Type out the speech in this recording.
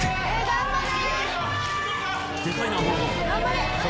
頑張れ！